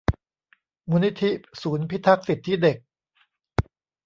มูลนิธิศูนย์พิทักษ์สิทธิเด็ก